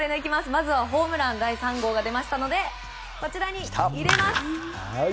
まずホームラン第３号が出ましたのでこちらに入れます！